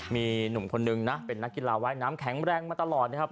มีหนุ่มคนนึงนะเป็นนักกีฬาว่ายน้ำแข็งแรงมาตลอดนะครับ